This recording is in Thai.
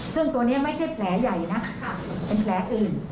ซึ่งตัวนี้ไม่ใช่แผลใหญ่นะเป็นแผลอื่น